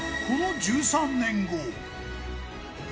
この１３年後。